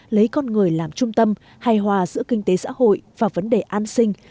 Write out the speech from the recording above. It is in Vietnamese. lấy con người làm trung tâm hài hòa giữa kinh tế xã hội và vấn đề an sinh